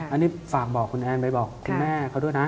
อันนี้ฝากบอกคุณแอนไปบอกคุณแม่เขาด้วยนะ